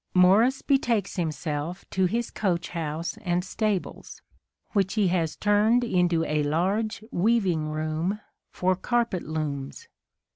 Morris betakes himself to his coach house and stables, which he has turned into a large weaving room for carpet looms.